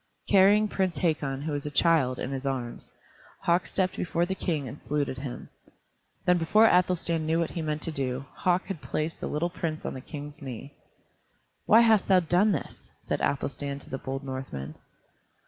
Carrying Prince Hakon, who was a child, in his arms, Hauk stepped before the King and saluted him. Then before Athelstan knew what he meant to do, Hauk, had placed the little prince on the King's knee. "Why hast thou done this?" said Athelstan to the bold Northman.